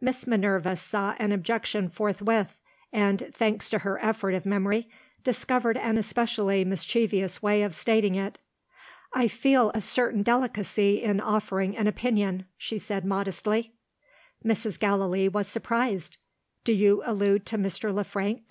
Miss Minerva saw an objection forthwith, and, thanks to her effort of memory, discovered an especially mischievous way of stating it. "I feel a certain delicacy in offering an opinion," she said modestly. Mrs. Gallilee was surprised. "Do you allude to Mr. Le Frank?"